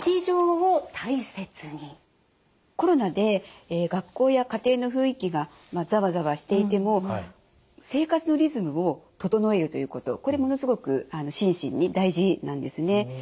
コロナで学校や家庭の雰囲気がざわざわしていても生活のリズムを整えるということこれものすごく心身に大事なんですね。